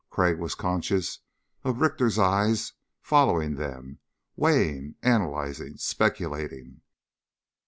Crag was conscious of Richter's eyes following them weighing, analyzing, speculating.